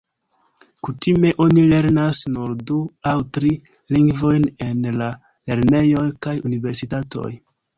Kutime oni lernas nur du aŭ tri lingvojn en la lernejoj kaj universitatoj.